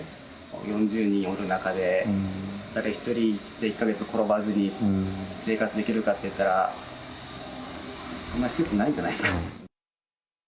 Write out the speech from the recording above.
４０人おる中で、誰一人、１か月転ばずに生活できるかっていったら、そんな施設ないんじゃないですか。